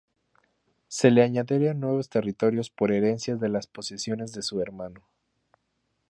Se le añadieron nuevos territorios por herencia de las posesiones de su hermano.